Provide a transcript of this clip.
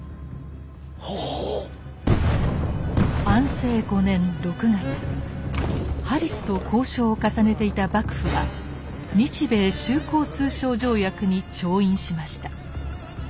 安政５年６月ハリスと交渉を重ねていた幕府は日米修好通商条約に調印しました。